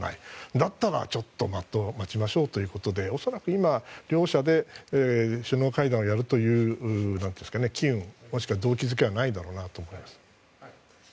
だったら、ちょっと待ちましょうということで恐らく今は両者で首脳会談をやるという動機付けはないと思います。